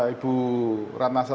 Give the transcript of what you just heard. ibu ratna sarompak